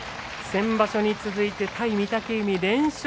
先場所に続いて対御嶽海、連勝。